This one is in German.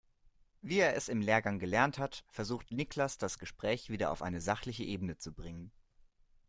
Wie er es im Lehrgang gelernt hat, versucht Niklas das Gespräch wieder auf eine sachliche Ebene zu bringen.